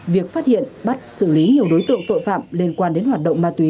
việc phát hiện bắt xử lý nhiều đối tượng tội phạm liên quan đến hoạt động ma túy